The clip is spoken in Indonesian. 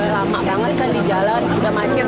lama banget kan di jalan udah macet